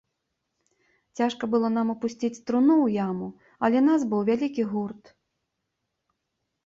Цяжка было нам апусціць труну ў яму, але нас быў вялікі гурт.